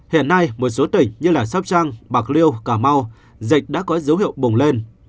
hiện nay một số tỉnh như sopchang bạc liêu cà mau dịch đã có dấu hiệu bùng lên